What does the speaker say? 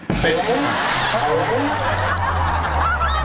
เป็นอุ้ง